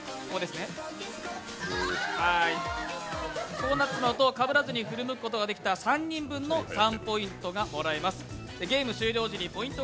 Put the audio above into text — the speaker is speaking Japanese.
こうなってしまうと、かぶらずに振り向くことができた３人分の３ポイントを獲得することができます。